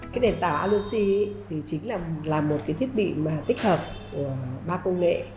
cái đèn tạo aluxy thì chính là một cái thiết bị mà tích hợp của ba công nghệ